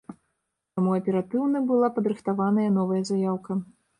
Таму аператыўна была падрыхтаваная новая заяўка.